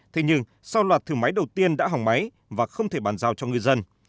thế nhưng sau loạt thử máy đầu tiên đã hỏng máy và không thể bàn giao cho ngư dân